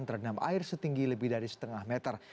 terendam air setinggi lebih dari setengah meter